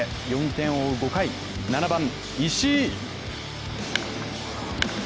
４点を追う５回、７番・石井。